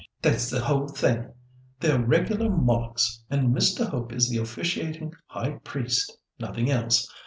That's the whole thing! They're regular Molochs, and Mr. Hope is the officiating High Priest—nothing else.